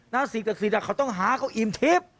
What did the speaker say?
นักศิษย์สิทธิ์เขาต้องหาเขาอิ่มทิศ